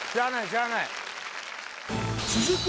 しゃあない続く